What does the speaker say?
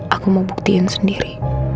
aku mau buktiin sendiri